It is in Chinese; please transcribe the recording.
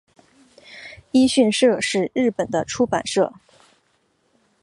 一迅社是日本的出版社。